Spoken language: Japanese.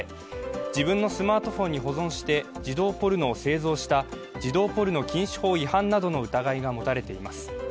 自分のスマートフォンに保存して児童ポルノを製造した児童ポルノ禁止法違反などの疑いが持たれています。